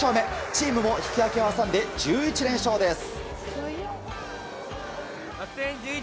チームも引き分けを挟んで１１連勝です。